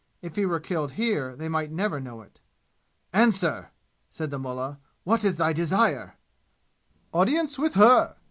If he were killed here they might never know it. "Answer!" said the mullah. "What is thy desire?" "Audience with her!"